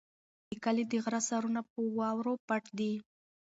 د کلي د غره سرونه په واورو پټ دي.